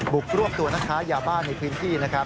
บุกรวบตัวนักขายาบ้าในพื้นพี่